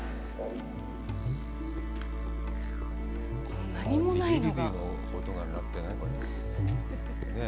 この何もないのが。